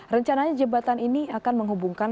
rencananya jembatan ini akan menghubungkan